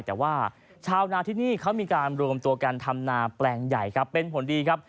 แต่ว่าชาวนาที่นี่เขามีการรวมตัวกันทำนาแปลงใหญ่ครับเป็นผลดีครับ